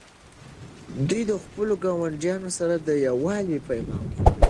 دوی د خپلو ګاونډیانو سره د یووالي پیغام خپروي.